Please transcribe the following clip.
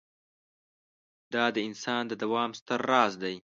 دا د انسان د دوام ستر راز دی.